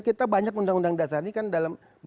kita banyak undang undang dasar ini kan dalam